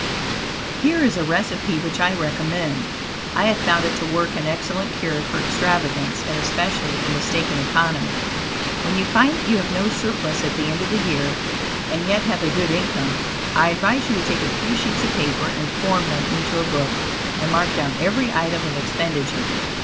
Here is a recipe which I recommend: I have found it to work an excellent cure for extravagance, and especially for mistaken economy: When you find that you have no surplus at the end of the year, and yet have a good income, I advise you to take a few sheets of paper and form them into a book and mark down every item of expenditure.